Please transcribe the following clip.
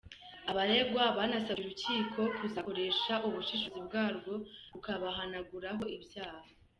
Abaregwa banasabye urukiko kuzakoresha ubushishozi bwarwo rukabahanaguraho ibyaha.